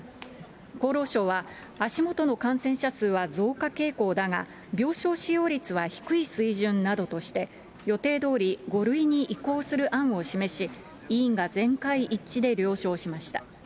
厚労省は、足元の感染者数は増加傾向だが、病床使用率は低い水準などとして、予定どおり５類に移行する案を示し、委員が全会一致で了承しました。